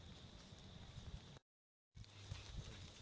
สวัสดี